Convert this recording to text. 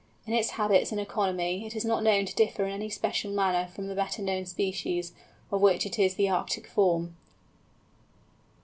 In its habits and economy it is not known to differ in any special manner from the better known species, of which it is the Arctic form.